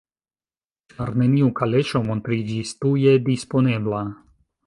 Ĉar neniu kaleŝo montriĝis tuje disponebla: